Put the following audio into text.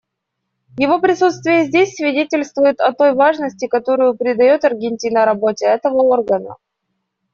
Его присутствие здесь свидетельствует о той важности, которую придает Аргентина работе этого органа.